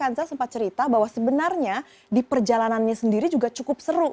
kansa sempat cerita bahwa sebenarnya di perjalanannya sendiri juga cukup seru